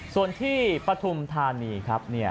ส่วนที่ปฐุมธานีครับ